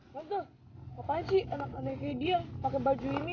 tante apaan sih anak anaknya kayak dia pake baju ini